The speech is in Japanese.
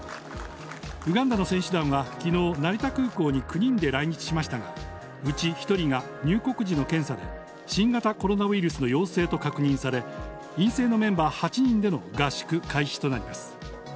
ウガンダの選手団はきのう、成田空港に９人で来日しましたが、うち１人が入国時の検査で、新型コロナウイルスの陽性と確認され、陰性のメンバー８人での合宿開始となります。